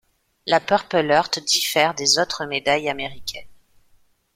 La Purple Heart diffère des autres médailles américaines.